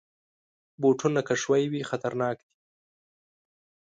بوټونه که ښوی وي، خطرناک دي.